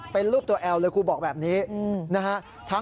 เป็นรูปตัวแอลเลยครูบอกแบบนี้นะฮะ